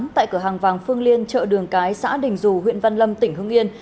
tại cửa hàng vàng phương liên chợ đường cái xã đình dù huyện văn lâm tỉnh hưng yên